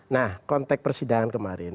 nah konteks persidangan kemarin